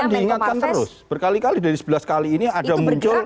diingatkan terus berkali kali dari sebelas kali ini ada muncul